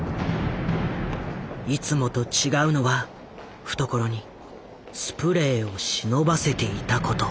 いつもと違うのは懐にスプレーを忍ばせていたこと。